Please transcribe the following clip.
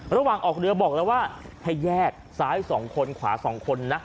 ระหว่างออกเรือบอกแล้วว่าให้แยกซ้าย๒คนขวา๒คนนะ